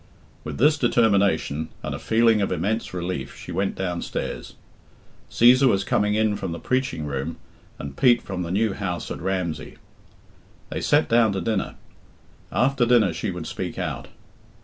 With this determination, and a feeling of immense relief, she went downstairs. Cæsar was coming in from the preaching room, and Pete from the new house at Ramsey. They sat down to dinner. After dinner she would speak out.